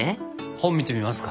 本見てみますか。